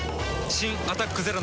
新「アタックＺＥＲＯ」